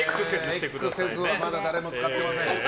エックセズはまだ誰も使ってません。